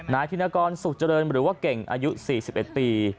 ธินกรสุขเจริญหรือว่าเก่งอายุ๔๑ปี